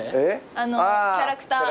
あのキャラクター。